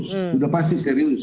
sudah pasti serius